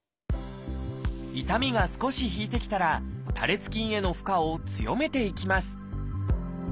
痛みが少し引いてきたら多裂筋への負荷を強めていきます